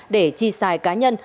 để chi xài cá nhân